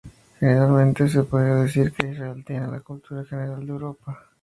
Generalmente, se puede decir que Israel tiene la cultura general de Europa.